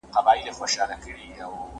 «دخترهزاره»